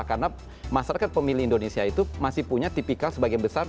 karena masyarakat pemilih indonesia itu masih punya tipikal sebagian besar